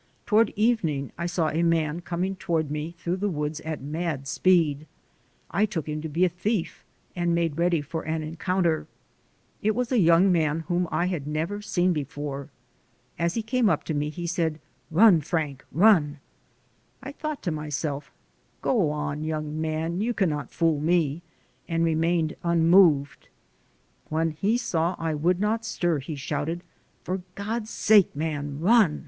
Toward evening I saw a man coming toward me through the woods at mad speed. I took him to be a thief, and made ready for an encounter. It was a young man whom I had never seen before. As he came up to me, he said, "Run, Frank, run!" I thought to myself, "Go on, young man, you cannot fool me," and remained unmoved. When he saw I would not stir he shouted: "For God's sake, man, run.